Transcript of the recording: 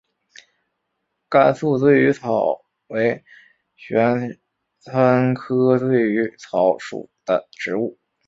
甘肃醉鱼草为玄参科醉鱼草属的植物。